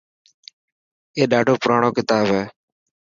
اي ڏاڌو پراڻو ڪتاب هي.